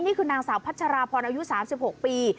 นี่คือนางสาวพัชราพรอายุ๓๖ปี